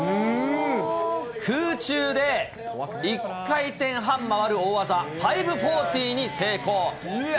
空中で１回転半回る大技５４０に成功。